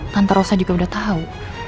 tante rosa juga udah tau